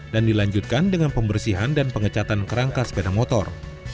dan dilanjutkan dengan pembersihan dan pengecatan kerangka sepeda motor